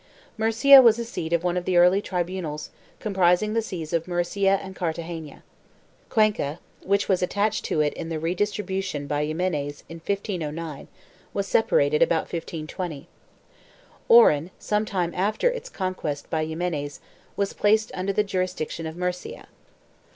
Murcia was a seat of one of the early tribunals, comprising the sees of Murcia and Cartagena. Cuenca, which was attached to it in the redistribution by Ximenes in 1509, was separated about 1520. Oran, some time after its conquest by Ximenes, was placed under the jurisdiction of Murcia.